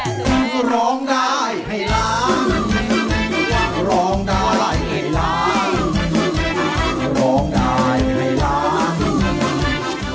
ร้องได้ให้ร้านร้องได้ให้ร้าน